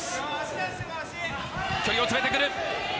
距離を詰めてくる！